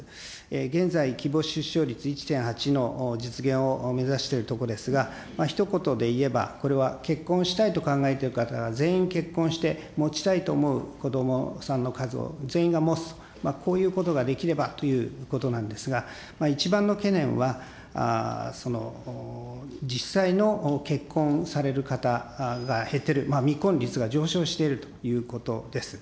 現在、希望出生率１．８の実現を目指しているところですが、ひと言でいえば、これは結婚したいと考えている方が全員結婚して、持ちたいと思う子どもさんの数を全員が持つ、こういうことができればということなんですが、一番の懸念は、その実際の結婚される方が減っている、未婚率が上昇しているということです。